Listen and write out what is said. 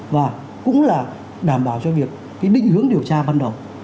và cũng là đảm bảo cho việc cái định hướng điều tra ban đầu